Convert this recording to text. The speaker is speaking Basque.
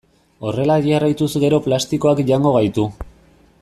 Horrela jarraituz gero plastikoak jango gaitu.